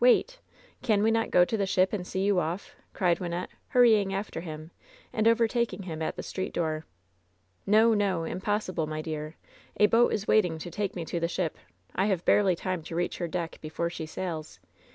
Wait! Can we not go to the ship and see you off?" cried Wynnette, hurrying after him, and overtaking him at the street door. "No! no! Impossible, my dear! A boat is waiting to take me to the ship! I have barely time to reach her deck before she sails!